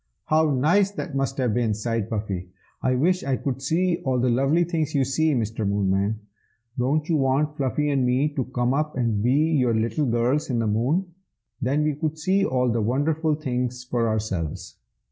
"How nice that must have been!" sighed Puffy. "I wish I could see all the lovely things you see, Mr. Moonman! Don't you want Fluffy and me to come up and be your little girls in the Moon? then we could see all the wonderful things for ourselves."